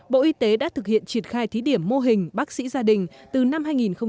bộ y tế đã thực hiện triển khai thí điểm mô hình bác sĩ gia đình từ năm hai nghìn một mươi